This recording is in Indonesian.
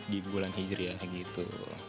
di bulan hijriah gitu